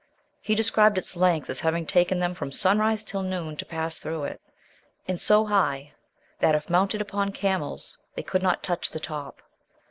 He described its length as having taken them from sunrise till noon to pass through it, and so high that, if mounted upon camels, they could not touch the top.